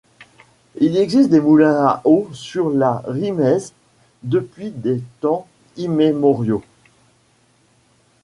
Il existe des moulins à eau sur la Rimeize depuis des temps immémoriaux.